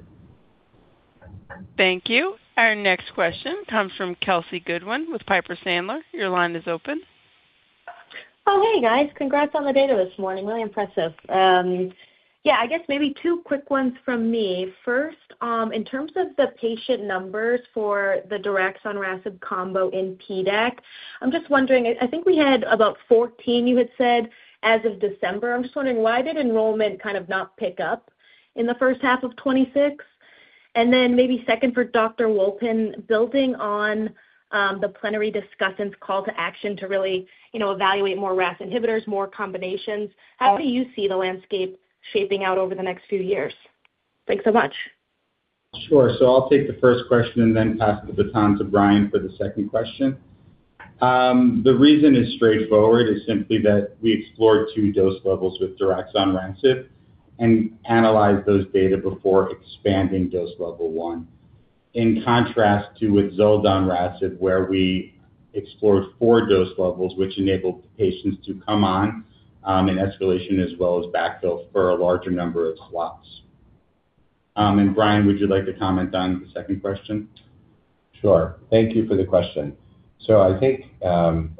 Thank you. Our next question comes from Kelsey Goodwin with Piper Sandler. Your line is open. Hey guys. Congrats on the data this morning. Really impressive. I guess maybe two quick ones from me. First, in terms of the patient numbers for the daraxonrasib combo in PDAC, I'm just wondering, I think we had about 14 you had said, as of December. I'm just wondering why did enrollment kind of not pick up in the H1 of 2026? Then maybe second for Dr. Wolpin, building on the plenary discussant's call to action to really evaluate more RAS inhibitors, more combinations. How do you see the landscape shaping out over the next few years? Thanks so much. Sure. I'll take the first question and then pass the baton to Brian for the second question. The reason is straightforward, is simply that we explored two dose levels with daraxonrasib and analyzed those data before expanding dose level 1. In contrast to with zoldonrasib, where we explored four dose levels, which enabled patients to come on in escalation as well as backfill for a larger number of slots. Brian, would you like to comment on the second question? Sure. Thank you for the question. I think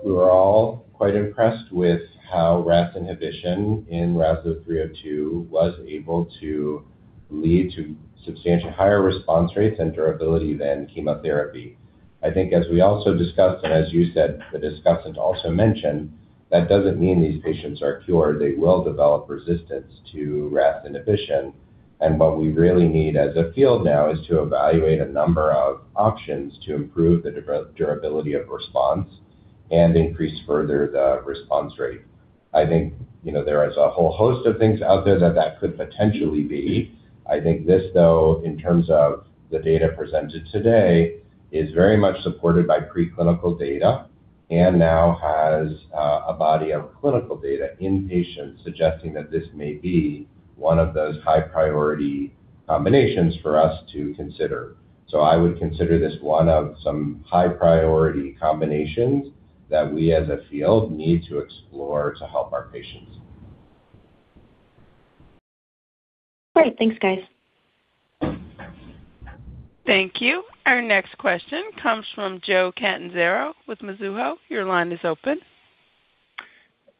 we were all quite impressed with how RAS inhibition in RASolute 302 was able to lead to substantially higher response rates and durability than chemotherapy. I think as we also discussed, and as you said, the discussant also mentioned, that doesn't mean these patients are cured. They will develop resistance to RAS inhibition. What we really need as a field now is to evaluate a number of options to improve the durability of response and increase further the response rate. I think there is a whole host of things out there that could potentially be. I think this, though, in terms of the data presented today, is very much supported by preclinical data and now has a body of clinical data in patients suggesting that this may be one of those high-priority combinations for us to consider. I would consider this one of some high-priority combinations that we as a field need to explore to help our patients. Great. Thanks, guys. Thank you. Our next question comes from Joseph Catanzaro with Mizuho. Your line is open.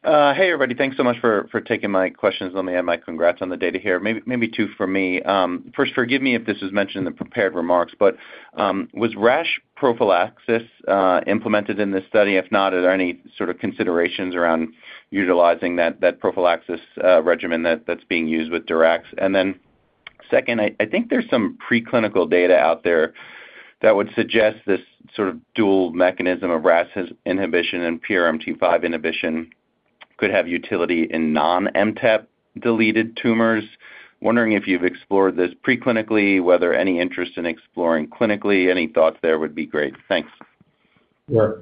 Hey, everybody. Thanks so much for taking my questions. Let me add my congrats on the data here. Maybe two from me. First, forgive me if this was mentioned in the prepared remarks, was rash prophylaxis implemented in this study? If not, are there any sort of considerations around utilizing that prophylaxis regimen that's being used with daraxonrasib? Second, I think there's some preclinical data out there that would suggest this sort of dual mechanism of RAS inhibition and PRMT5 inhibition could have utility in non-MTAP-deleted tumors. Wondering if you've explored this preclinically, were there any interest in exploring clinically? Any thoughts there would be great. Thanks. Sure.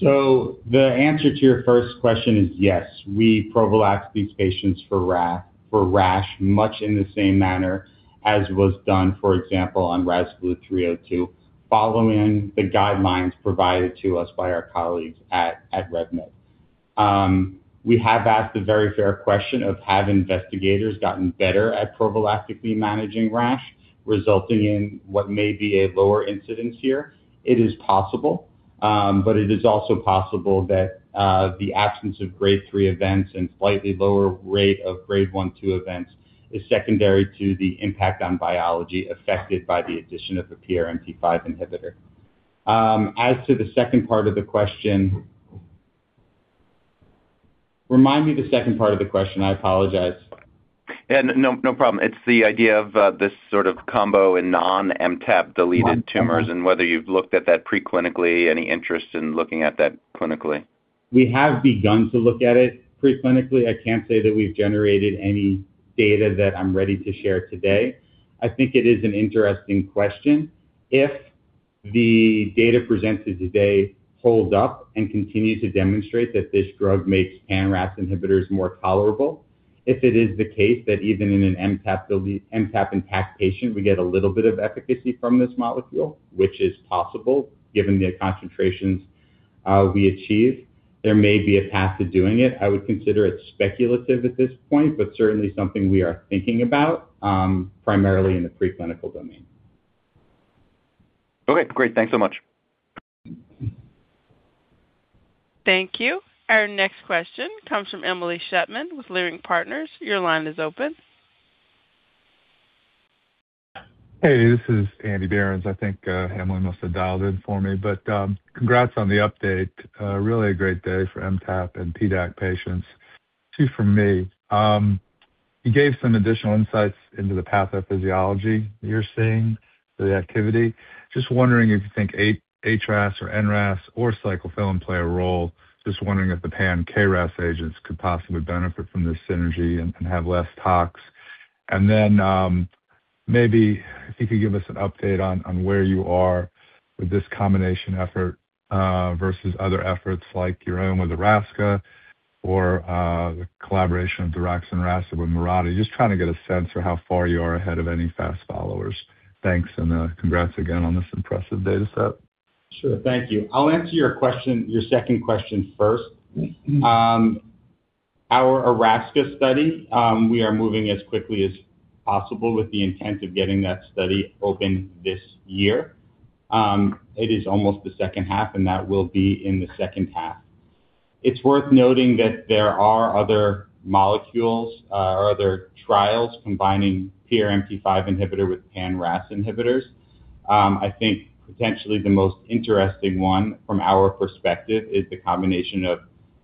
The answer to your first question is yes, we prophylaxed these patients for rash, much in the same manner as was done, for example, on RASolute 302, following the guidelines provided to us by our colleagues at RevMed. We have asked the very fair question of have investigators gotten better at prophylactically managing rash, resulting in what may be a lower incidence here? It is possible, but it is also possible that the absence of Grade 3 events and slightly lower rate of Grade 1/2 events is secondary to the impact on biology affected by the addition of the PRMT5 inhibitor. As to the second part of the question, remind me the second part of the question. I apologize. Yeah. No problem. It's the idea of this sort of combo in non-MTAP deleted tumors and whether you've looked at that pre-clinically, any interest in looking at that clinically. We have begun to look at it pre-clinically. I can't say that we've generated any data that I'm ready to share today. I think it is an interesting question. If the data presented today holds up and continues to demonstrate that this drug makes pan-RAS inhibitors more tolerable, if it is the case that even in an MTAP intact patient, we get a little bit of efficacy from this molecule, which is possible given the concentrations we achieve, there may be a path to doing it. I would consider it speculative at this point, but certainly something we are thinking about, primarily in the pre-clinical domain. Okay, great. Thanks so much. Thank you. Our next question comes from Emily Shutman with Leerink Partners. Your line is open. Hey, this is Andrew Berens. I think Emily must have dialed in for me. Congrats on the update. Really a great day for MTAP and PDAC patients. Two from me. You gave some additional insights into the pathophysiology that you're seeing for the activity. Just wondering if you think HRAS or NRAS or cyclophilin play a role. Just wondering if the pan-KRAS agents could possibly benefit from this synergy and have less tox. Maybe if you could give us an update on where you are with this combination effort, versus other efforts like your own with Erasca or, the collaboration of daraxonrasib with Mirati. Just trying to get a sense for how far you are ahead of any fast followers. Thanks, and congrats again on this impressive data set. Sure. Thank you. I'll answer your second question first. Our Erasca study, we are moving as quickly as possible with the intent of getting that study open this year. It is almost the H2, and that will be in the H2. It's worth noting that there are other molecules or other trials combining PRMT5 inhibitor with pan-RAS inhibitors. I think potentially the most interesting one from our perspective is the combination of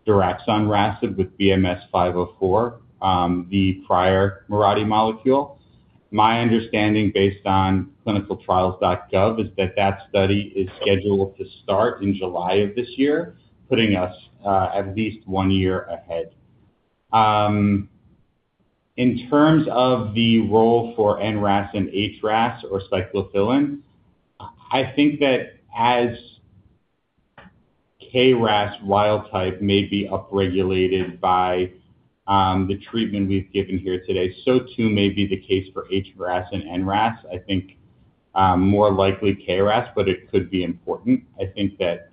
daraxonrasib with BMS-504, the prior Mirati molecule. My understanding, based on clinicaltrials.gov, is that that study is scheduled to start in July of this year, putting us at least one year ahead. In terms of the role for NRAS and HRAS or cyclophilin, I think that as KRAS wild type may be upregulated by the treatment we've given here today, so too may be the case for HRAS and NRAS. I think more likely KRAS, but it could be important. I think that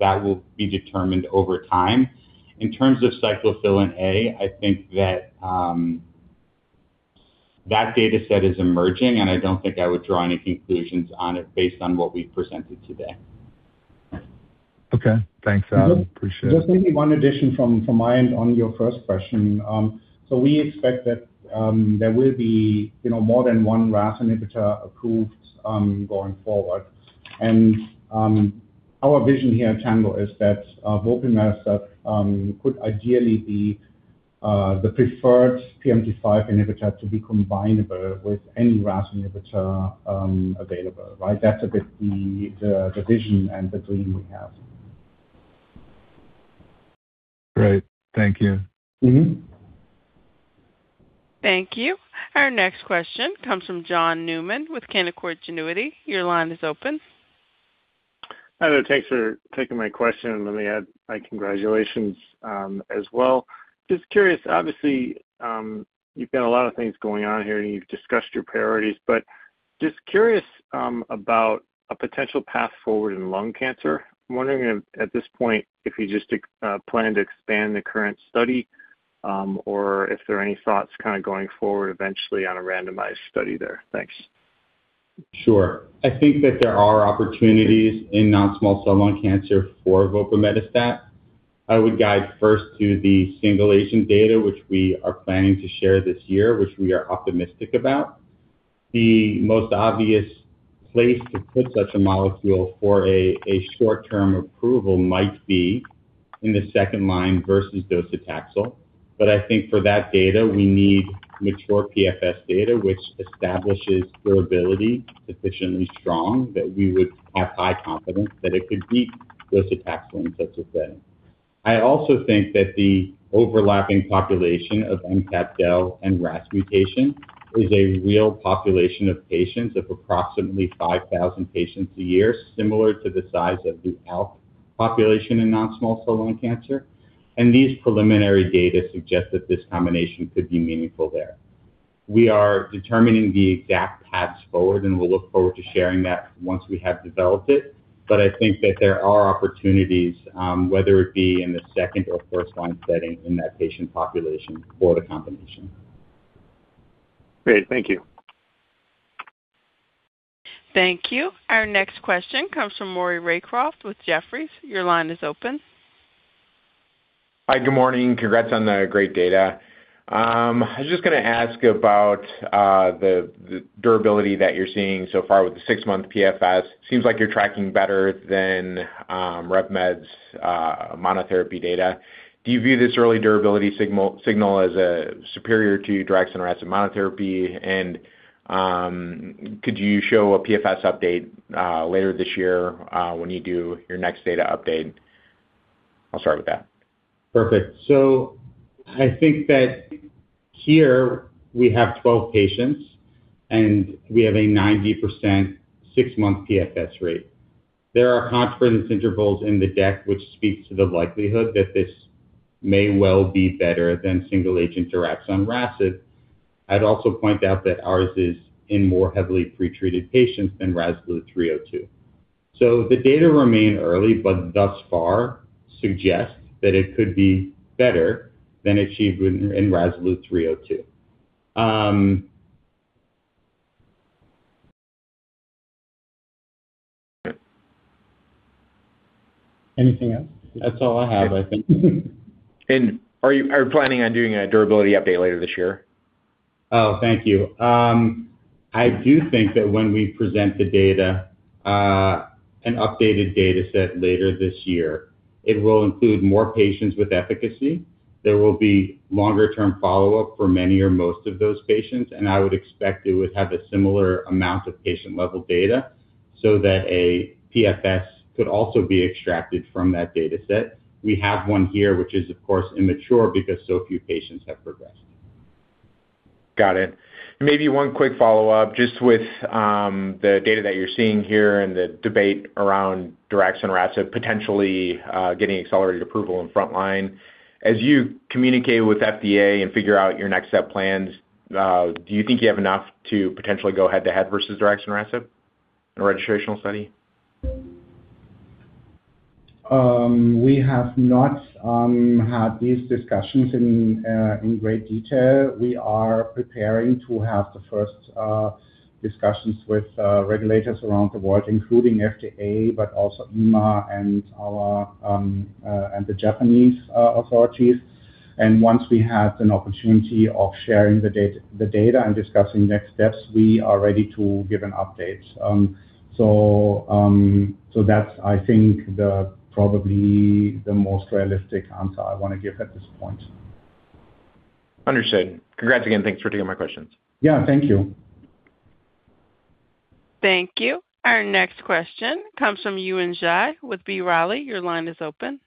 will be determined over time. In terms of cyclophilin A, I think that data set is emerging, and I don't think I would draw any conclusions on it based on what we've presented today. Okay. Thanks. Appreciate it. Just maybe one addition from my end on your first question. We expect that there will be more than one RAS inhibitor approved, going forward. Our vision here at Tango is that, vopimetostat could ideally be the preferred PRMT5 inhibitor to be combinable with any RAS inhibitor available, right? That's a bit the vision and the dream we have. Great. Thank you. Thank you. Our next question comes from John Newman with Canaccord Genuity. Your line is open. Hi there. Thanks for taking my question. Let me add my congratulations as well. Just curious, obviously, you've got a lot of things going on here, and you've discussed your priorities, just curious about a potential path forward in lung cancer. I'm wondering if at this point, if you just plan to expand the current study, or if there are any thoughts kind of going forward eventually on a randomized study there. Thanks. Sure. I think that there are opportunities in non-small cell lung cancer for vopimetostat. I would guide first to the single-agent data, which we are planning to share this year, which we are optimistic about. The most obvious place to put such a molecule for a short-term approval might be in the second line versus docetaxel. I think for that data, we need mature PFS data which establishes durability sufficiently strong that we would have high confidence that it could beat docetaxel in such a setting. I also think that the overlapping population of MTAP del and RAS mutation is a real population of patients of approximately 5,000 patients a year, similar to the size of the ALK population in non-small cell lung cancer. These preliminary data suggest that this combination could be meaningful there. We are determining the exact paths forward, and we'll look forward to sharing that once we have developed it. I think that there are opportunities, whether it be in the second or first-line setting in that patient population for the combination. Great. Thank you Thank you. Our next question comes from Maury Raycroft with Jefferies. Your line is open. Hi, good morning. Congrats on the great data. I was just going to ask about the durability that you're seeing so far with the six-month PFS. Seems like you're tracking better than RevMed's monotherapy data. Do you view this early durability signal as superior to daraxonrasib monotherapy? Could you show a PFS update later this year when you do your next data update? I'll start with that. Perfect. I think that here we have 12 patients, and we have a 90% six-month PFS rate. There are confidence intervals in the deck which speak to the likelihood that this may well be better than single-agent daraxonrasib. I'd also point out that ours is in more heavily pretreated patients than RASolute 302. The data remain early, but thus far suggests that it could be better than achieved in RASolute 302. Anything else? That's all I have, I think. Are you planning on doing a durability update later this year? Oh, thank you. I do think that when we present the data, an updated data set later this year, it will include more patients with efficacy. There will be longer-term follow-up for many or most of those patients, and I would expect it would have a similar amount of patient-level data so that a PFS could also be extracted from that data set. We have one here, which is, of course, immature because so few patients have progressed. Got it. Maybe one quick follow-up, just with the data that you're seeing here and the debate around daraxonrasib potentially getting accelerated approval in front line. As you communicate with FDA and figure out your next step plans, do you think you have enough to potentially go head-to-head versus daraxonrasib in a registrational study? We have not had these discussions in great detail. We are preparing to have the first discussions with regulators around the world, including FDA, but also EMA and the Japanese authorities. Once we have an opportunity of sharing the data and discussing next steps, we are ready to give an update. That's, I think, probably the most realistic answer I want to give at this point. Understood. Congrats again. Thanks for taking my questions. Yeah, thank you. Thank you. Our next question comes from Yuan Zhi with B. Riley. Your line is open.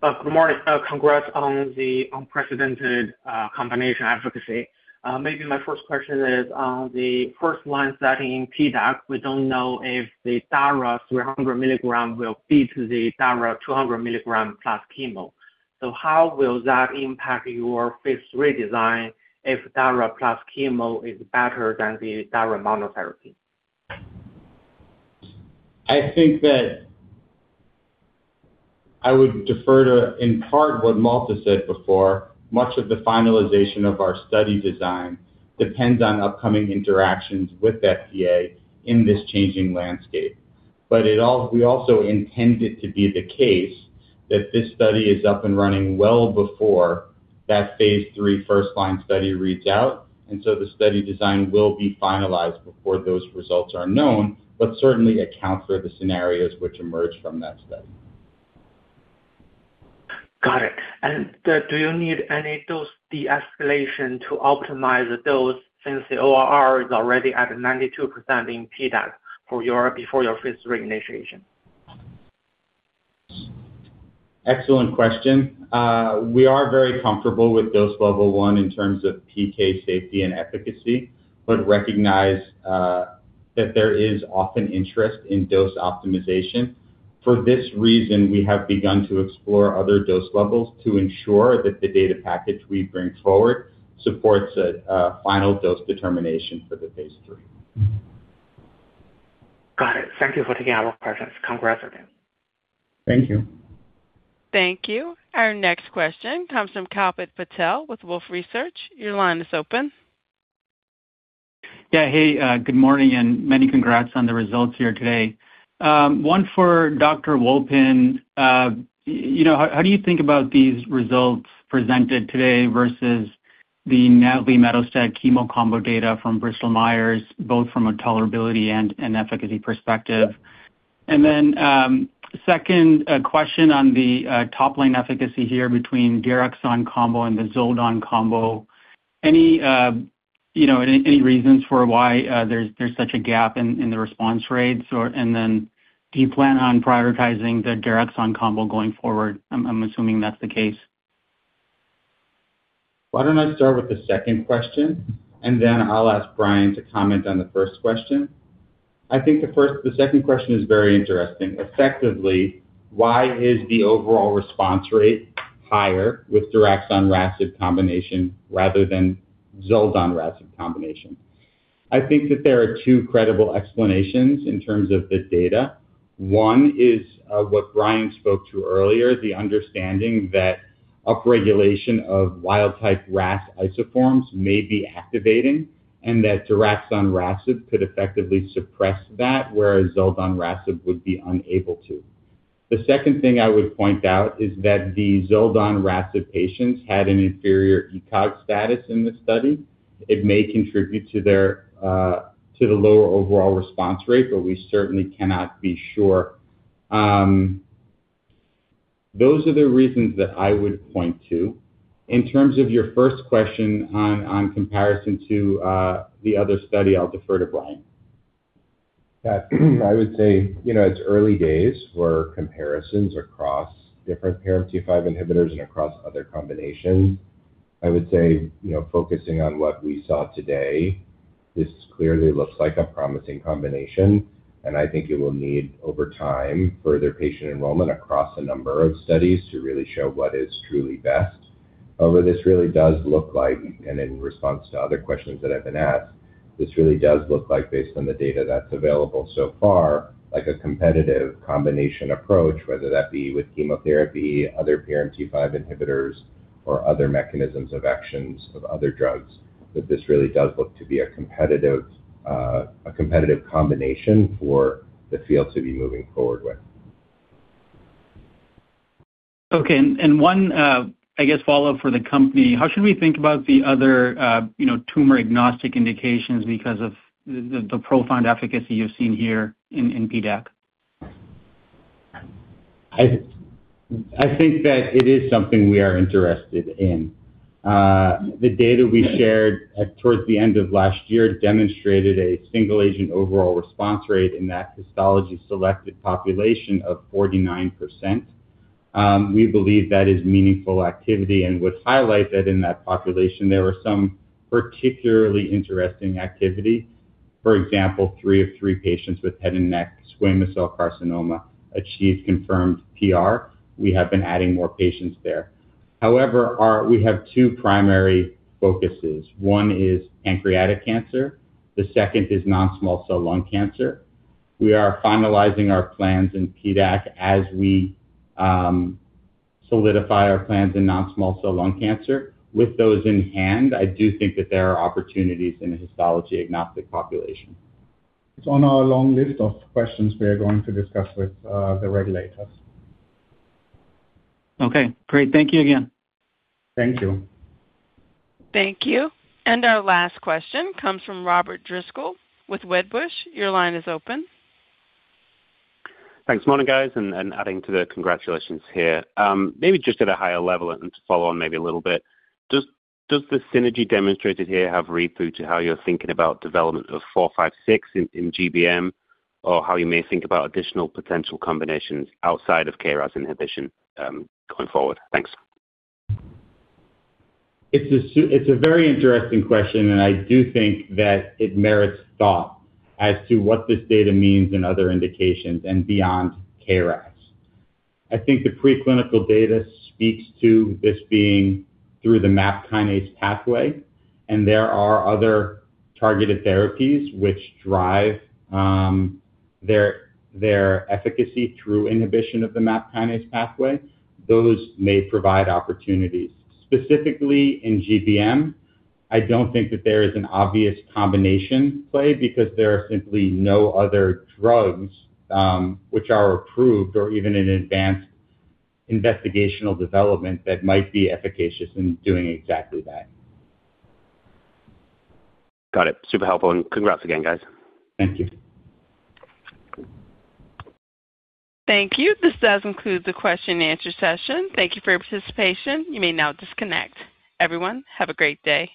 Good morning. Congrats on the unprecedented combination advocacy. Maybe my first question is on the first line setting in PDAC, we don't know if the dara 300 mg will beat the dara 200 mg plus chemo. How will that impact your phase III design if dara plus chemo is better than the dara monotherapy? I think that I would defer to, in part, what Malte said before. Much of the finalization of our study design depends on upcoming interactions with FDA in this changing landscape. We also intend it to be the case that this study is up and running well before that phase III first-line study reads out. The study design will be finalized before those results are known, but certainly account for the scenarios which emerge from that study. Got it. Do you need any dose de-escalation to optimize the dose since the ORR is already at 92% in PDAC before your phase III initiation? Excellent question. We are very comfortable with dose level 1 in terms of PK safety and efficacy, but recognize that there is often interest in dose optimization. For this reason, we have begun to explore other dose levels to ensure that the data package we bring forward supports a final dose determination for the phase III. Got it. Thank you for taking our questions. Congrats again. Thank you. Thank you. Our next question comes from Kalpit Patel with Wolfe Research. Your line is open. Yeah. Hey, good morning, many congrats on the results here today. One for Dr. Wolpin. How do you think about these results presented today versus the Navlimetostat chemo combo data from Bristol-Myers, both from a tolerability and efficacy perspective? Second question on the top-line efficacy here between daraxonrasib combo and the zoldonrasib combo. Any reasons for why there's such a gap in the response rates? Do you plan on prioritizing the daraxonrasib combo going forward? I'm assuming that's the case. Why don't I start with the second question, I'll ask Brian to comment on the first question. I think the second question is very interesting. Effectively, why is the overall response rate higher with daraxonrasib combination rather than zoldonrasib combination? I think that there are two credible explanations in terms of the data. One is what Brian spoke to earlier, the understanding that upregulation of wild-type RAS isoforms may be activating and that daraxonrasib could effectively suppress that, whereas zoldonrasib would be unable to. The second thing I would point out is that the zoldonrasib patients had an inferior ECOG status in the study. It may contribute to the lower overall response rate, but we certainly cannot be sure. Those are the reasons that I would point to. In terms of your first question on comparison to the other study, I'll defer to Brian. Yeah. I would say, it's early days for comparisons across different PRMT5 inhibitors and across other combinations. I would say, focusing on what we saw today, this clearly looks like a promising combination, and I think it will need, over time, further patient enrollment across a number of studies to really show what is truly best. However, this really does look like, and in response to other questions that I've been asked, this really does look like, based on the data that's available so far, like a competitive combination approach, whether that be with chemotherapy, other PRMT5 inhibitors, or other mechanisms of actions of other drugs. This really does look to be a competitive combination for the field to be moving forward with. Okay. One follow-up for the company, how should we think about the other tumor-agnostic indications because of the profound efficacy you've seen here in PDAC? I think that it is something we are interested in. The data we shared towards the end of last year demonstrated a single-agent overall response rate in that histology-selected population of 49%. We believe that is meaningful activity and would highlight that in that population there were some particularly interesting activity. For example, three-of-three patients with head and neck squamous cell carcinoma achieved confirmed PR. We have been adding more patients there. However, we have two primary focuses. One is pancreatic cancer, the second is non-small cell lung cancer. We are finalizing our plans in PDAC as we solidify our plans in non-small cell lung cancer. With those in hand, I do think that there are opportunities in a histology-agnostic population. It's on our long list of questions we are going to discuss with the regulators. Okay, great. Thank you again. Thank you. Thank you. Our last question comes from Robert Driscoll with Wedbush. Your line is open. Thanks. Morning, guys, adding to the congratulations here. Maybe just at a higher level and to follow on maybe a little bit, does the synergy demonstrated here have read-through to how you're thinking about development of 456 in GBM, or how you may think about additional potential combinations outside of KRAS inhibition going forward? Thanks. It's a very interesting question. I do think that it merits thought as to what this data means in other indications and beyond KRAS. I think the preclinical data speaks to this being through the MAP kinase pathway, and there are other targeted therapies which drive their efficacy through inhibition of the MAP kinase pathway. Those may provide opportunities. Specifically in GBM, I don't think that there is an obvious combination play because there are simply no other drugs which are approved or even in advanced investigational development that might be efficacious in doing exactly that. Got it. Super helpful. Congrats again, guys. Thank you. Thank you. This does conclude the question and answer session. Thank you for your participation. You may now disconnect. Everyone, have a great day.